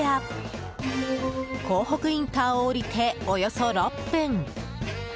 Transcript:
港北インターを下りておよそ６分。